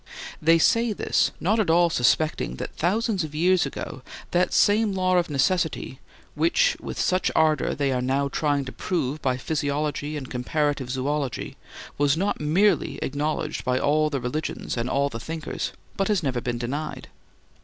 They say this, not at all suspecting that thousands of years ago that same law of necessity which with such ardor they are now trying to prove by physiology and comparative zoology was not merely acknowledged by all the religions and all the thinkers, but has never been denied.